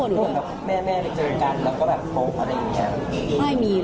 นี่เหมือนแม่มันจะเจอกันแล้วก็โดโฟกันเองอย่างนี้